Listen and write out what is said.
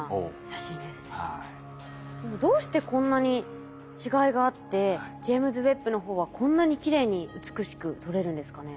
どうしてこんなに違いがあってジェイムズ・ウェッブの方はこんなにきれいに美しく撮れるんですかね？